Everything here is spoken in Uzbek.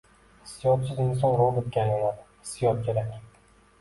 Hissiyotsiz inson robotga aylanadi – hissiyot kerak.